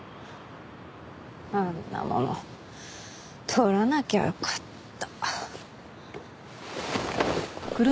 あんなもの盗らなきゃよかった。